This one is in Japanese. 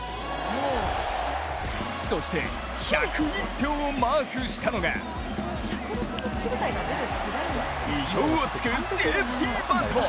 そして１０１票をマークしたのが意表をつくセーフティバント。